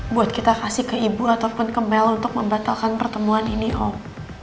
buat kita kasih ke ibu ataupun ke mel untuk membatalkan pertemuan ini home